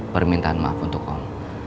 permintaan maaf untuk om